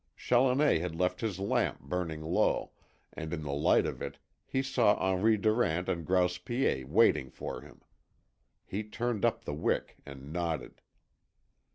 Challoner had left his lamp burning low, and in the light of it he saw Henri Durant and Grouse Piet waiting for him. He turned up the wick, and nodded.